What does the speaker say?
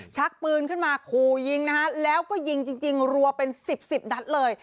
ชักปืนขึ้นมาขู่ยิงนะฮะแล้วก็ยิงจริงรัวเป็น๑๐๑๐นัดเลย